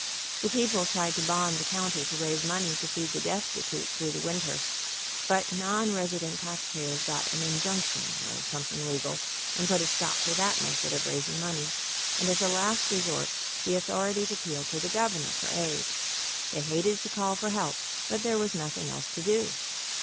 The peo ple tried to bond the county to raise money to feed the destitute through the winter, but non resident tax payers got an injunction, or something legal, and put a stop to that method of raising money, and as a last resort the authorities appealed to the Governor for aid. They hated to call for help, but there was noth ing else to do.